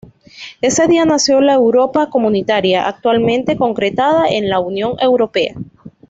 Ese día nació la Europa comunitaria, actualmente concretada en la Unión Europea.